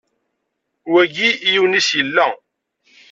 Wagi yiwen-is yella.